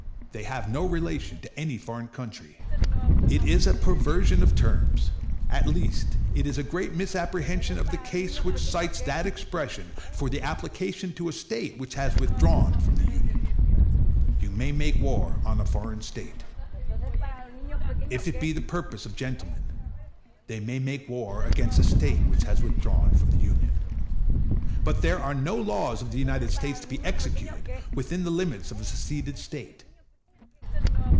They have no relation to any foreign country. It is a perversion of terms, at least it is a great misapprehension of the case which cites that expression for application to a State which has withdrawn from the Union. You may make war on a foreign State. If it be the purpose of gentlemen, they may make war against a State which has withdrawn from the Union; but there are no laws of the United States to be executed within the limits of a seceded State.